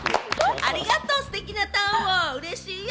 ありがとう、ステキなターン、うれしいよ。